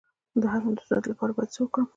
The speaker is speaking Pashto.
د هضم د ستونزې لپاره باید څه وکړم؟